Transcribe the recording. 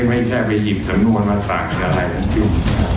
ไม่แค่ไปหยิบสำนวนมาต่างกันอะไรแบบนี้